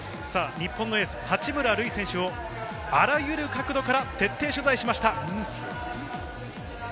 日本のエース、八村塁選手をあらゆる角度から徹底取材しました。